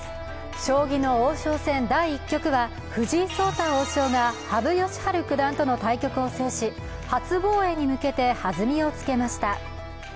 将棋の王将戦第１局は藤井聡太王将が羽生善治九段との対局を制し初防衛に向けて弾みをつけました。